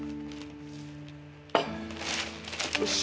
よし。